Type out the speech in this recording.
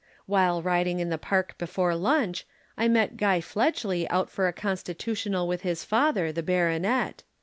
While riding in the park before lunch, I met Guy Fledgely out for a constitutional with his father, the baronet.